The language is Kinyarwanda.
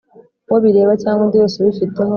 Uwo bireba cyangwa undi wese ubifiteho